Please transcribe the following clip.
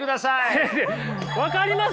先生分かります？